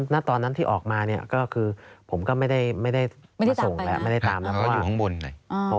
ณตอนที่ออกมาผมก็ไม่ได้มาส่งเลยไม่ได้ตามไป